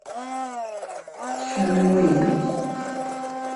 Tecfam anwa ay d nekk?